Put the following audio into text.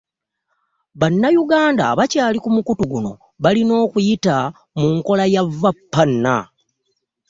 Bannayuganda abakyali ku mukutu guno balina okuyita mu nkola ya VPN.